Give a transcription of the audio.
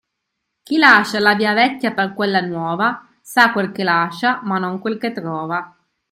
Chi lascia la via vecchia per quella nuova, sa quel che lascia ma non quel che trova.